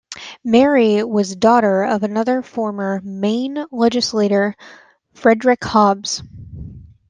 Mary was daughter of another former Maine legislator Frederick Hobbs.